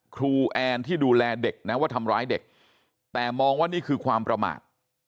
แอนที่ดูแลเด็กนะว่าทำร้ายเด็กแต่มองว่านี่คือความประมาท